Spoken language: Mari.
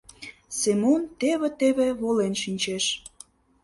Семон теве-теве волен шинчеш.